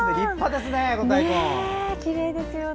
きれいですね。